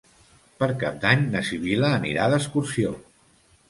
Per Cap d'Any na Sibil·la anirà d'excursió.